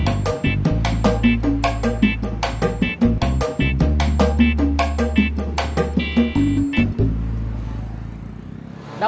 lebih aja habis pake obat